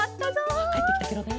あっかえってきたケロね。